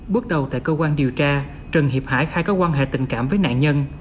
bước đầu tại cơ quan điều tra trần hiệp hải khai có quan hệ tình cảm với người khác